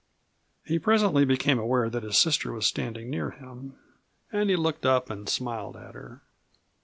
He presently became aware that his sister was standing near him, and he looked up and smiled at her.